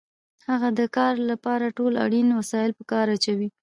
هغه د کار لپاره ټول اړین وسایل په کار اچوي